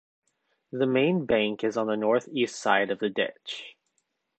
The main bank is on the north-east side of the ditch.